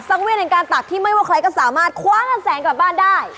ซักเวลในการตักที่ไม่ว่าใครก็สามารถคว้างันแสงกลับบ้านได้